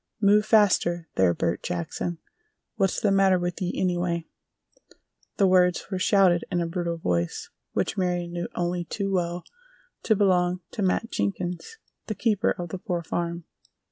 "Move faster, there, Bert Jackson! What's the matter with ye, anyway?" The words were shouted in a brutal voice which Marion knew only too well to belong to Matt Jenkins, the keeper of the Poor Farm.